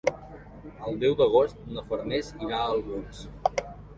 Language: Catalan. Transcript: El deu d'agost na Farners irà a Albons.